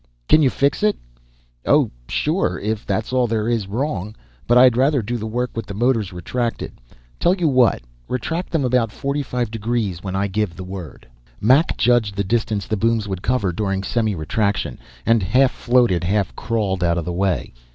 "Can you fix it?" "Oh, sure, if that's all there is wrong. But I'd rather do the work with the motors retracted. Tell you what; retract them about forty five degrees when I give the word." Mac judged the distance the booms would cover during semiretraction and half floated, half crawled out of the way.